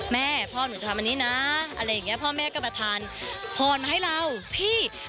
แม่พ่อหนูจะทำอันนี้นะอะไรอย่างนี้พ่อแม่ก็มาทานพรมาให้เราพี่